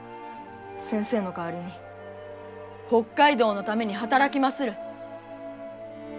先生の代わりに北海道のために働きまする。